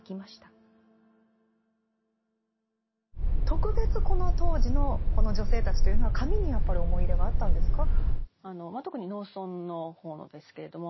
特別この当時のこの女性たちというのは髪にやっぱり思い入れがあったんですか？